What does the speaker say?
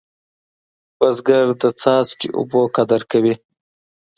بزګر د څاڅکي اوبه قدر کوي